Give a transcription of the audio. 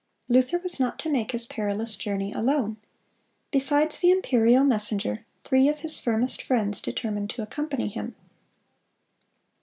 (205) Luther was not to make his perilous journey alone. Besides the imperial messenger, three of his firmest friends determined to accompany him.